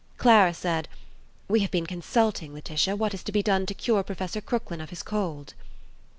Clara said: "We have been consulting, Laetitia, what is to be done to cure Professor Crooklyn of his cold."